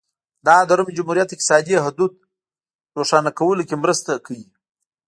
دا د روم جمهوریت اقتصادي حدود روښانه کولو کې مرسته کوي